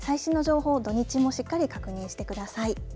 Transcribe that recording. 最新の情報を土日もしっかり確認してください。